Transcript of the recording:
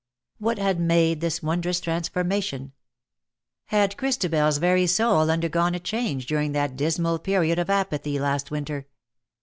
What had made this wondrous transformation? Had ChristabeFs very soul undergone a change during that dismal period of apathy last winter